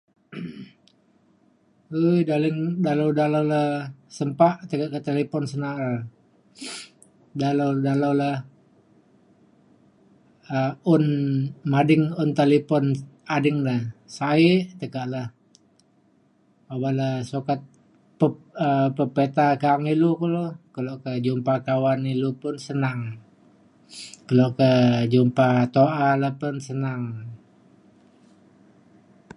um dalau dalau dalau le sempa tekak te ke talipon cin na’a re dalau dalau le um un mading un talipon ading da sa’e tekak le awak le sukat pe- um pepita ka’ang ilu kulo kelo ke jumpa kawan ilu pun senang kelo ke jumpa tu’a le pun senang